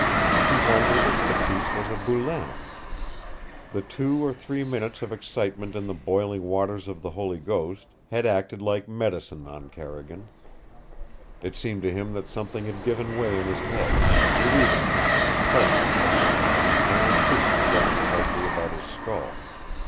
He wondered if Bateese was a Boulain. The two or three minutes of excitement in the boiling waters of the Holy Ghost had acted like medicine on Carrigan. It seemed to him that something had given way in his head, relieving him of an oppression that had been like an iron hoop drawn tightly about his skull.